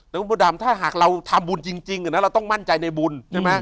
แต่ก็ประดำถ้าหากเราทำบุญจริงเราต้องมั่นใจในบุญ